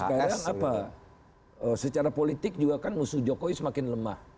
sekarang apa secara politik juga kan musuh jokowi semakin lemah